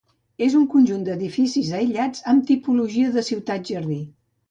És un conjunt d'edificis aïllats amb tipologia de ciutat-jardí.